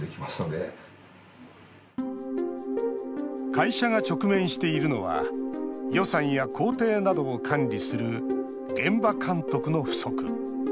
会社が直面しているのは予算や工程などを管理する現場監督の不足。